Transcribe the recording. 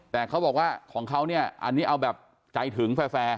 แต่เขาบอกว่าของเขาเนี่ยอันนี้เอาแบบใจถึงแฟร์